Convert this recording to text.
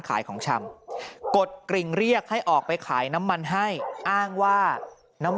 หลังจากพบศพผู้หญิงปริศนาตายตรงนี้ครับ